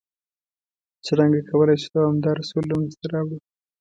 څرنګه کولای شو دوامداره سوله منځته راوړ؟